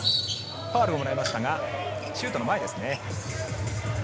ファウルをもらいましたが、シュートの前ですね。